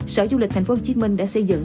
sở du lịch thành phố hồ chí minh đã xây dựng